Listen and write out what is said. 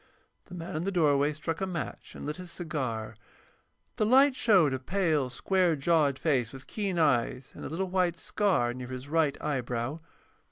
The man in the doorway struck a match and lit his cigar. The light showed a pale, square jawed face with keen eyes, and a little white scar near his right eyebrow.